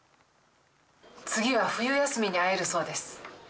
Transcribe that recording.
次は冬休みに会えるそうです。